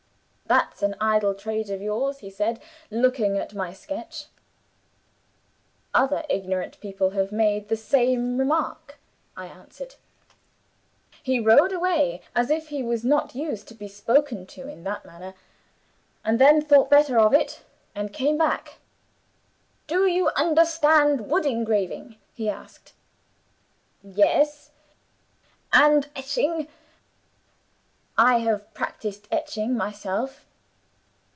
'That's an idle trade of yours,' he said, looking at my sketch. 'Other ignorant people have made the same remark,' I answered. He rode away, as if he was not used to be spoken to in that manner, and then thought better of it, and came back. 'Do you understand wood engraving?' he asked. 'Yes.' 'And etching?' 'I have practiced etching myself.